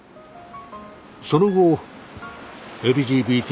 その後ＬＧＢＴ